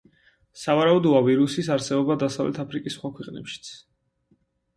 სავარაუდოა ვირუსის არსებობა დასავლეთ აფრიკის სხვა ქვეყნებშიც.